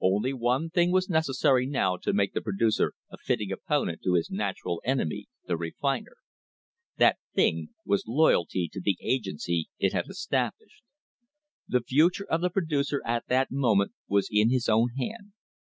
Only one thing was necessary now to make the producer a fitting opponent to his natural enemy, the refiner. That thing was loyalty to the agency he had established. The future of the producer at that moment was in his own hand.